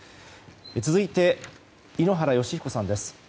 続いて、井ノ原快彦さんです。